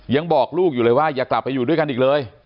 ยังบอกลูกอยู่เลยว่าอย่ากลับไปอยู่ด้วยกันอีกเลย